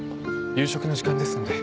夕食の時間ですので。